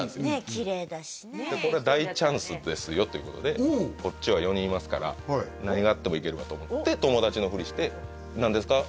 キレイだしねこれは大チャンスですよってことでこっちは４人いますから何があってもいけるわと思って友達のフリして「何ですか？」